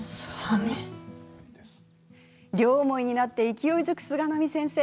両思いになって勢いづく菅波先生。